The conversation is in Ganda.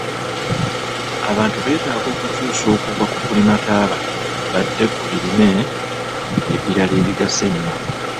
Abantu beetaaga okukyusa okuva ku kulima taaba badde ku birime ebirala ebigasa ennyo.